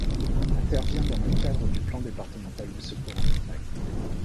Il intervient dans le cadre du plan départemental du secours en montagne.